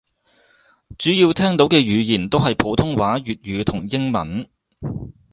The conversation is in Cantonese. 主要聽到嘅語言都係普通話粵語同英文